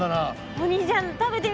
お兄ちゃん食べてみて。